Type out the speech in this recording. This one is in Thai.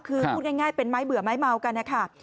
คือพูดง่ายเป็นไม้เบื่อไม้เมากันนะคะ